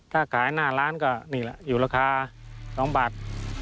ถ้าขายหน้าร้านก็นี่แหละอยู่ราคา๒บาท